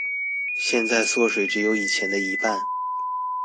現在縮水只有以前的一半